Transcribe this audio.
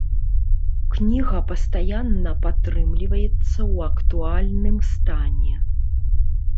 Кніга пастаянна падтрымліваецца ў актуальным стане.